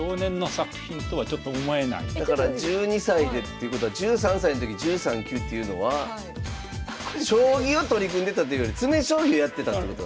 １２歳でっていうことは１３歳の時１３級っていうのは将棋を取り組んでたというより詰将棋をやってたってことなんですね。